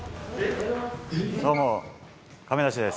どうも、亀梨です。